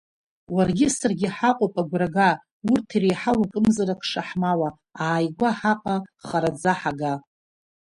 Уаргьы саргьы ҳаҟоуп агәра га, урҭ иреиҳау акымзарак шаҳмауа, ааигәа ҳаҟа, хараӡа ҳага.